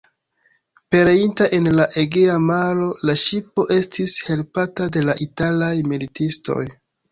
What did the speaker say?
Pereinta en la Egea maro, la ŝipo estis helpata de la italaj militistoj.